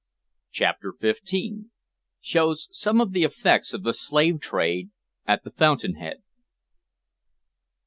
CHAPTER FIFTEEN. SHOWS SOME OF THE EFFECTS OF THE SLAVE TRADE AT THE FOUNTAIN HEAD.